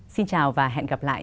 xin chào và hẹn gặp lại